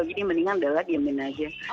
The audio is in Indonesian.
jadi mendingan udah lah diemin aja